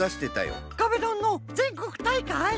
壁ドンのぜんこくたいかい？